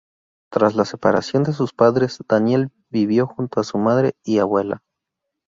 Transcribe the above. Tras la separación de sus padres, Daniel vivió junto a su madre y abuela.